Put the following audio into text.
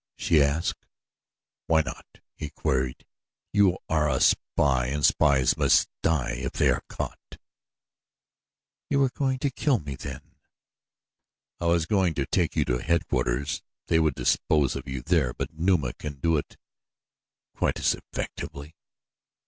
she asked. "Why not?" he queried. "You are a spy and spies must die if they are caught." "You were going to kill me, then?" "I was going to take you to headquarters. They would dispose of you there; but Numa can do it quite as effectively.